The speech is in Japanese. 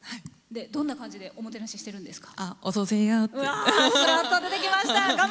どんな感じでおもてなししてるんですか？